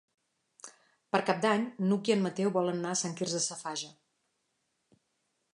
Per Cap d'Any n'Hug i en Mateu volen anar a Sant Quirze Safaja.